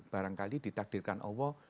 barangkali ditakdirkan allah